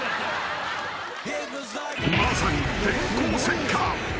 ［まさに電光石火］